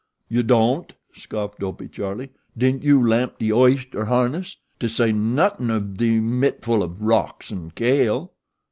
"You don't?" scoffed Dopey Charlie. "Didn't you lamp de oyster harness? To say nothin' of de mitful of rocks and kale."